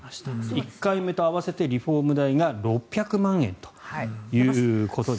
１回目と合わせてリフォーム代が６００万円ということで。